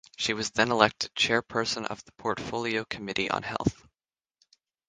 She was then elected chairperson of the Portfolio Committee on Health.